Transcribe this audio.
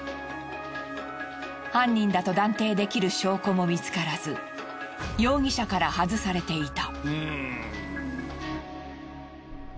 犯人だと断定できる証拠も見つからず容疑者から外されていた。